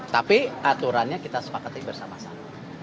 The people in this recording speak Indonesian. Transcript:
tapi aturannya kita sepakati bersama sama